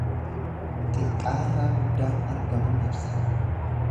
Xiqqaarraa guddaan argamuu ibsa.